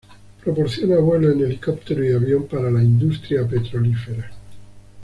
Proporciona vuelos en helicóptero y avión para la industrial petrolífera.